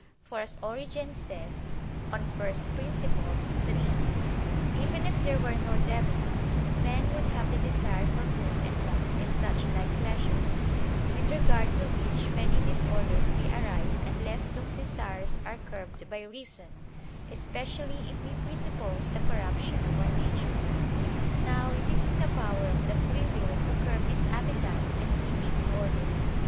For, as Origen says (Peri Archon iii), even if there were no devil, men would have the desire for food and love and such like pleasures; with regard to which many disorders may arise unless those desires are curbed by reason, especially if we presuppose the corruption of our natures. Now it is in the power of the free will to curb this appetite and keep it in order.